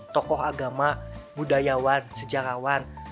tokoh agama budayawan sejarawan